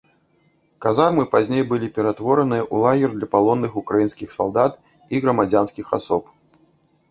Казармы пазней былі ператвораныя ў лагер для палонных украінскіх салдат і грамадзянскіх асоб.